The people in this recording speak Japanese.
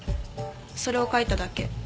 それを描いただけ。